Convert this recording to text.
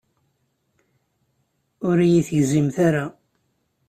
Ur iyi-tegzimt ara.